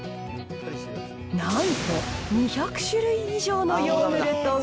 なんと、２００種類以上のヨーグルトが。